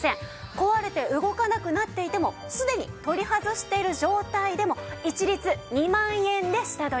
壊れて動かなくなっていてもすでに取り外している状態でも一律２万円で下取り致します。